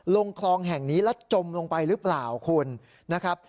ลงคลองแห่งนี้แล้วจมลงไปหรือเปล่าคุณนะครับ